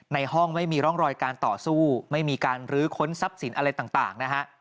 ในห้องไม่มีร่องรอยการต่อสู้ไม่มีการลื้อค้นทรัพย์สินอะไรต่างนะฮะ